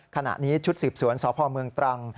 ขณะนี้ชุดสืบสวนสพเมืองตรัง